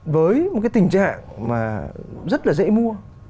với một cái tình trạng mà rất là dễ mua